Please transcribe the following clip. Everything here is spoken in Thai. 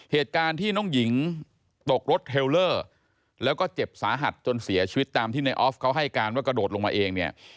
เหตุการณ์ที่น้องหญิงตกรถเทลเลอร์แล้วก็เจ็บสาหัสจนเสียชีวิตตามที่ในออฟเขาให้การว่ากระโดดลงมาเองเนี่ย